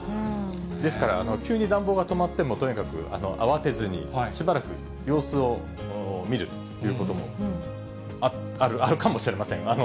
ですから、急に暖房が止まっても、とにかく慌てずに、しばらく様子を見るということもあるかもしれません。